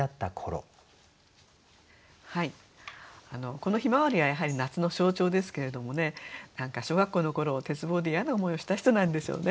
この「向日葵」はやはり夏の象徴ですけれどもね小学校の頃鉄棒で嫌な思いをした人なんでしょうね。